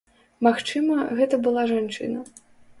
Магчыма, гэта была жанчына.